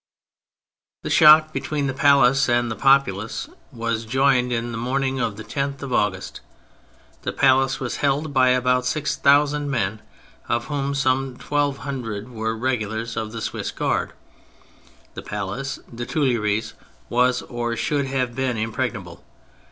The shock between the palace and the popu lace was joined in the morning of the 10th of August. The palace was held by about six thousand men,^ of whom some twelve hundred were regulars of the Swiss Guard. The palace (the Tuileries) was, or should have been, impregnable.